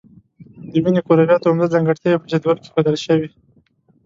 د وینې کرویاتو عمده ځانګړتیاوې په جدول کې ښودل شوي.